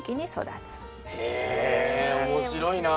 へえ面白いなあ。